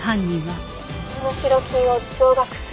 「身代金を増額する」